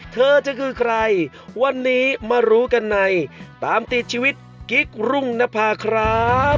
เธอจะคือใครวันนี้มารู้กันในตามติดชีวิตกิ๊กรุ่งนภาครับ